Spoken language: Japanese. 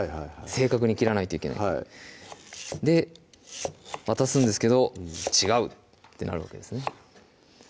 正確に切らないといけないはいで渡すんですけど「違う」ってなるわけですね